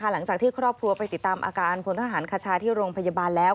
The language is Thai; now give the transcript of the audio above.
หลังจากที่ครอบครัวไปติดตามอาการพลทหารคชาที่โรงพยาบาลแล้ว